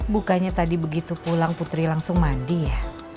bukannya tadi begitu pulang putri langsung mandi ya